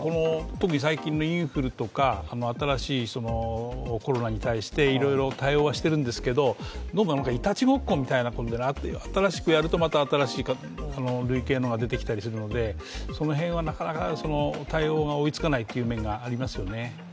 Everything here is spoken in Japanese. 特に最近のインフルとか新しいコロナに対していろいろ対応はしてるんですけどいたちごっこみたいになって新しくやるとまた新しい類型のが出てきたりするので、その辺はなかなか対応が追いつかないという面がありますよね。